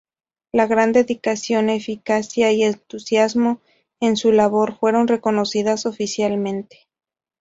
La "gran dedicación, eficacia y entusiasmo" en su labor, fueron reconocidas oficialmente.